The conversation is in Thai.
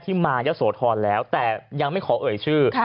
ที่มายศวทรแล้วแต่ยังไม่ขอเอ่ยชื่อ